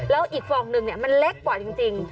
แล้วอีกฟองหนึ่งมันเล็กกว่าจริง